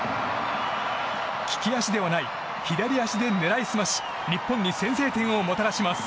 利き足ではない左足で狙い澄まし日本に先制点をもたらします。